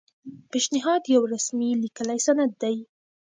پیشنهاد یو رسمي لیکلی سند دی.